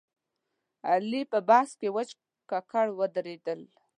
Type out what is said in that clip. علي په بحث کې وچ ککړ ودرېدل.